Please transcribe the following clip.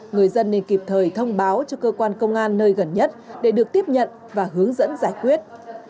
người dân nên kịp thời thông báo cho cơ quan công an nơi gần nhất để được tiếp nhận và hướng dẫn giải quyết